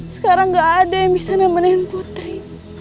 sekarang gak ada yang bisa nemenin putri